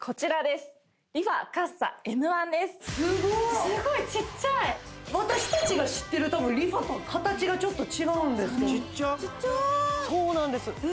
すごいすごいちっちゃい私達が知ってるＲｅＦａとは形がちょっと違うんですけどちっちゃいそうなんです